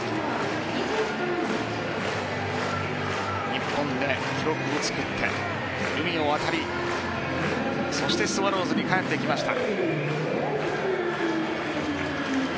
日本で記録を作って海を渡り、そしてスワローズに帰ってきました。